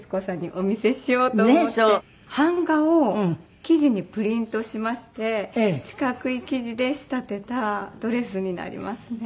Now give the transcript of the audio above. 版画を生地にプリントしまして四角い生地で仕立てたドレスになりますね。